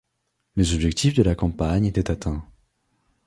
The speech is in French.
Les objectifs de la campagne étaient atteints.